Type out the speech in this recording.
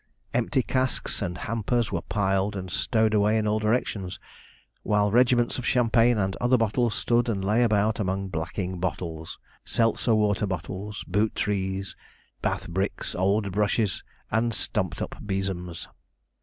Empty casks and hampers were piled and stowed away in all directions, while regiments of champagne and other bottles stood and lay about among blacking bottles, Seltzer water bottles, boot trees, bath bricks, old brushes, and stumpt up besoms.